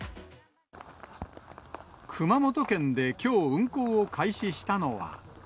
熊本県できょう、運行を開始したのは。